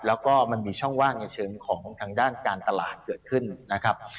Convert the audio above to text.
แล้วก็มันมีช่องว่างในเชิงของทางด้านการตลาดเกิดขึ้นนะครับ